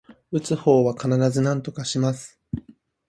打つ方は必ずなんとかします